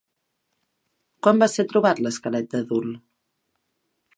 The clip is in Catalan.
Quan va ser trobat l'esquelet d'adult?